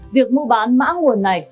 việc mua bán mã nguồn này